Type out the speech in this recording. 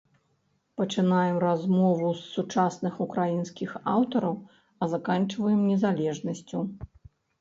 Пачынаем размову з сучасных украінскіх аўтараў, а заканчваем незалежнасцю.